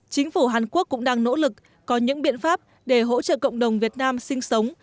chính phủ hàn quốc cũng đang nỗ lực có những biện pháp để hỗ trợ cộng đồng việt nam sinh sống